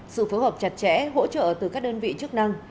sự phối hợp chặt chẽ hỗ trợ từ các đơn vị chức năng